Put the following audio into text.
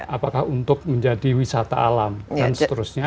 apakah untuk menjadi wisata alam dan seterusnya